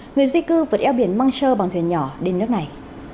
người di cư vượt eo biển măng trơ bằng thuyền nhỏ đến nước này